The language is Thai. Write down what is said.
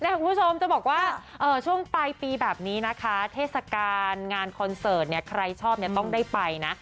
คุณผู้ชมจะบอกว่าช่วงปลายปีแบบนี้นะคะเทศกาลงานคอนเสิร์ตเนี่ยใครชอบเนี่ยต้องได้ไปนะ